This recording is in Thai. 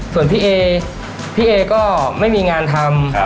ส่วนพี่เอพี่เอก็ไม่มีงานทำ